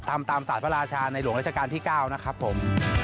ทำตามศาสตร์พระราชาในหลวงราชการที่๙นะครับผม